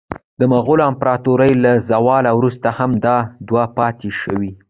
د مغولو د امپراطورۍ له زواله وروسته هم دا دود پاتې شو.